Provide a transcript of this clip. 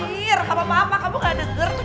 year gak apa apa kamu gak denger tuh